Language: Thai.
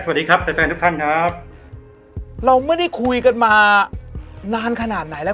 สวัสดีครับแฟนแฟนทุกท่านครับเราไม่ได้คุยกันมานานขนาดไหนแล้ว